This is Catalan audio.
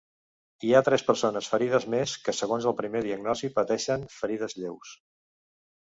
Hi ha tres persones ferides més, que segons el primer diagnosi pateixen ferides lleus.